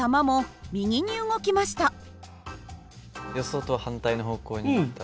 予想とは反対の方向に行った。